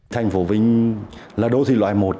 thành phố vinh là đối thi loại một